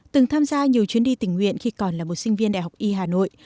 từng tham gia nhiều chuyến đi tình nguyện khi còn là một sinh viên đại học y hà nội